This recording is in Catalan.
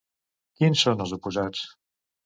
Quins són els oposats?